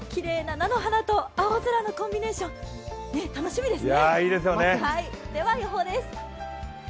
きれいな菜の花と青空のコンビネーション、楽しみですね。